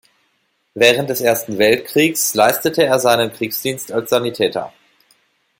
Während des Ersten Weltkriegs leistete er seinen Kriegsdienst als Sanitäter.